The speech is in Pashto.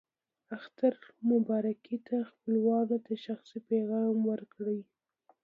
اختر مبارکي ته خپلوانو ته شخصي پیغام ورکړئ.